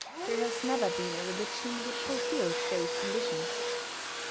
There has never been a religion which fulfils those conditions.